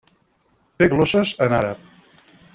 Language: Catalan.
Té glosses en àrab.